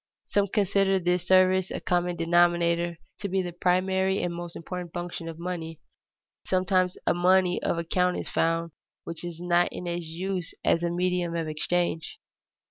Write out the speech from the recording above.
Some consider this service as a common denominator to be the primary and most important function of money. Sometimes a money of account is found, which is not in use as a medium of exchange.